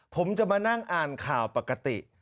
ผมจะมานั่งอ่านข่าวปกติ